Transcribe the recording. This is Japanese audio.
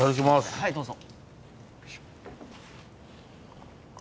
はいどうぞ。